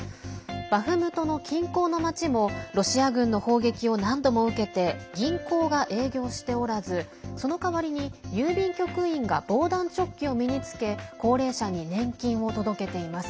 バフムトの近郊の町もロシア軍の砲撃を何度も受けて銀行が営業しておらずその代わりに郵便局員が防弾チョッキを身に着け高齢者に年金を届けています。